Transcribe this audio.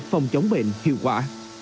phòng chống bệnh hiệu quả